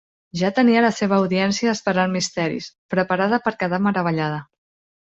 Ja tenia la seva audiència esperant misteris, preparada per quedar meravellada.